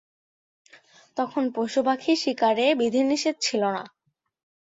তখন পশুপাখি শিকারে বিধিনিষেধ ছিল না।